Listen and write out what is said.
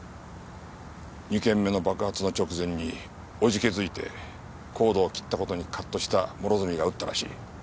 ２件目の爆発の直前に怖気づいてコードを切った事にカッとした諸角が撃ったらしい。